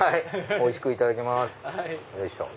おいしくいただきます。